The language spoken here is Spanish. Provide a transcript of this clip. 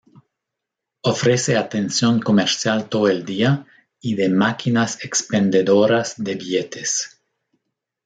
Ofrece atención comercial todo el día y de máquinas expendedoras de billetes.